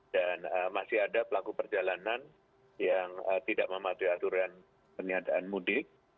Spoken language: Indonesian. dan masih ada pelaku perjalanan yang tidak mematuhi aturan penyandaan mudik